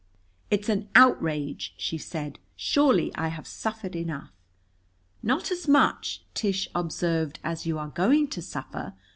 "It's an outrage," she said. "Surely I have suffered enough." "Not as much," Tish observed, "as you are going to suffer.